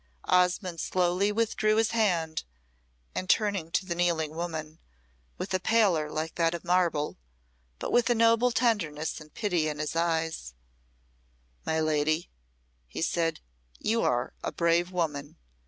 Osmonde slowly withdrew his hand, and turning to the kneeling woman with a pallor like that of marble, but with a noble tenderness and pity in his eyes "My lady," he said, "you are a brave woman.